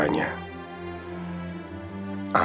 aku yang harus mencintai dia